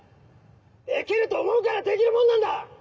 できると思うからできるもんなんだ！